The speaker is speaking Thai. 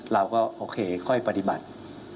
เราก็โอเคค่อยปฏิบัติ